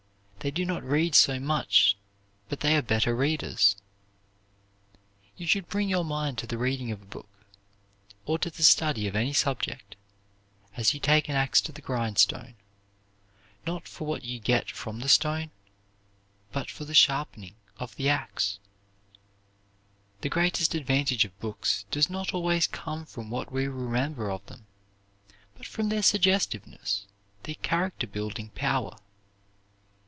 They do not read so much but they are better readers. You should bring your mind to the reading of a book, or to the study of any subject, as you take an ax to the grindstone; not for what you get from the stone, but for the sharpening of the ax. The greatest advantage of books does not always come from what we remember of them, but from their suggestiveness, their character building power.